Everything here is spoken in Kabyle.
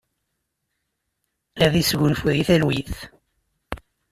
Ad isgunfu di talwit!